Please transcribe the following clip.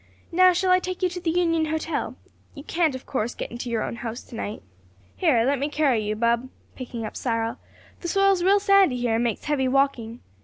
Now shall I take you to the Union Hotel? You can't, of course, get into your own house to night. "Here, let me carry you, bub," picking up Cyril, "the soil's real sandy here and makes heavy walking."